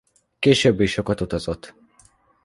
Később is sokat utazott.